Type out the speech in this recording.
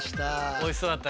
おいしそうだった。